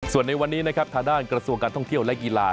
ส่วนในวันนี้นะครับทางด้านกระทรวงการท่องเที่ยวและกีฬา